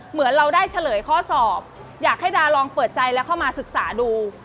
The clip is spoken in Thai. เหมือนเราได้เฉลยข้อสอบอยากให้ดาลองเปิดใจแล้วเข้ามาศึกษาดู